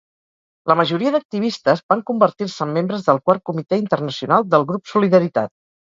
La majoria d'activistes van convertir-se en membres del Quart Comitè Internacional del grup Solidaritat.